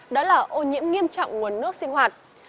đó là ô nhiễm nghiêm trọng nguồn nước sinh hoạt